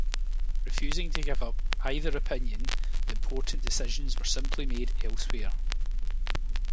Refusing to give up either opinion, the important decisions were simply made elsewhere.